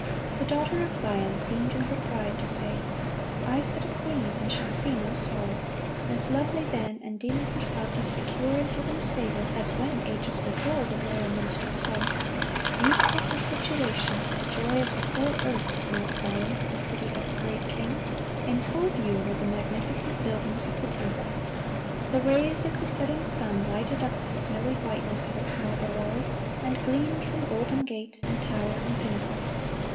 The daughter of Zion seemed in her pride to say, "I sit a queen, and shall see no sorrow;" as lovely then, and deeming herself as secure in Heaven's favor, as when, ages before, the royal minstrel sung, "Beautiful for situation, the joy of the whole earth, is Mount Zion, ... the city of the great King."(2) In full view were the magnificent buildings of the temple. The rays of the setting sun lighted up the snowy whiteness of its marble walls, and gleamed from golden gate and tower and pinnacle.